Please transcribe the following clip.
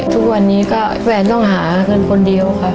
ทุกวันนี้ก็แฟนต้องหาเงินคนเดียวค่ะ